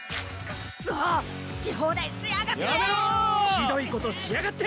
ひどいことしやがって！